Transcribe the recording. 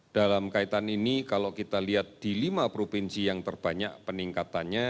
dalam kaitan ini kalau kita lihat di lima provinsi yang terbanyak peningkatannya